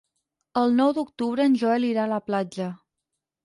El nou d'octubre en Joel irà a la platja.